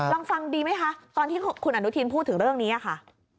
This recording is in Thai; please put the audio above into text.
ลองฟังดีไหมคะตอนที่คุณอนุทินพูดถึงเรื่องนี้ค่ะ